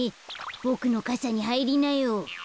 ボクのかさにはいりなよ。